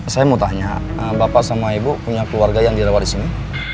saya mau tanya bapak sama ibu punya keluarga yang direwat disini